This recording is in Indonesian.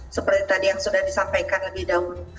seperti tadi yang sudah disampaikan lebih dahulu